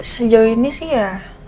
sejauh ini sih ya